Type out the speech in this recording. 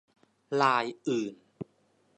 ลายอื่น